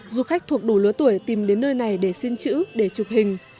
du khách thuộc đủ lứa tuổi tìm đến nơi này để xin chữ để chụp hình